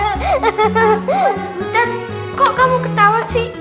hutan kok kamu ketawa sih